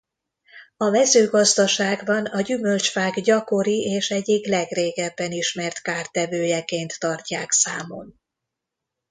A mezőgazdaságban a gyümölcsfák gyakori és egyik legrégebben ismert kártevőjeként tartják számon.